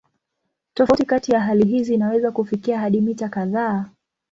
Tofauti kati ya hali hizi inaweza kufikia hadi mita kadhaa.